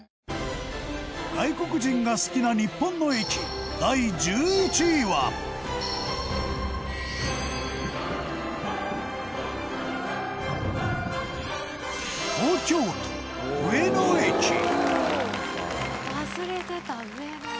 外国人が好きな日本の駅第１１位は本仮屋：忘れてた、上野。